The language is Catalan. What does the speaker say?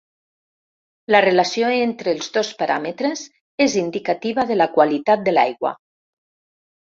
La relació entre els dos paràmetres és indicativa de la qualitat de l'aigua.